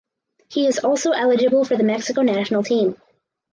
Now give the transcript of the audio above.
He is also eligible for the Mexico national team.